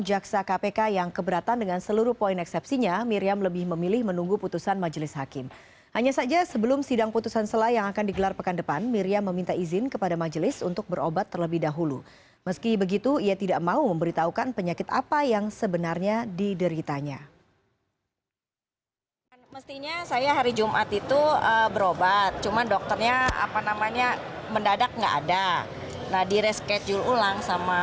jaksa kpk berharap majelis dapat menolak seluruh nota keberatan miriam dan melanjutkan proses peradilan